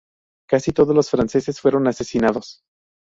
Casi todos los franceses fueron asesinados.